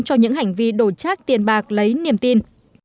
cho những hành vi đổ trác tiền bạc lấy niềm tin